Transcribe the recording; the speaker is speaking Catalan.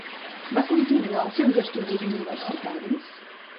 Va continuar els seus estudis universitaris?